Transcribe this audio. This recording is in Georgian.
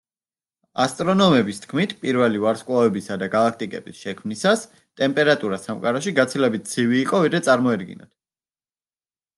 ასტრონომების თქმით, პირველი ვარსკვლავებისა და გალაქტიკების შექმნისას, ტემპერატურა სამყაროში გაცილებით ცივი იყო, ვიდრე წარმოედგინათ.